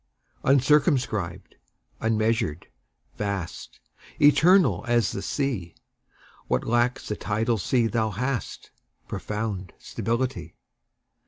UNCIRCUMSCRIBED, unmeasured, vast, Eternal as the Sea; What lacks the tidal sea thou hast Profound stability.